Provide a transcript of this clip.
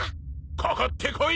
かかってこい！